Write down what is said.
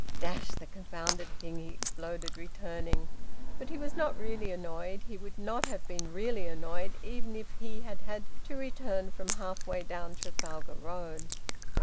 "Dash the confounded thing!" he exploded, returning. But he was not really annoyed. He would not have been really annoyed even if he had had to return from half way down Trafalgar Road.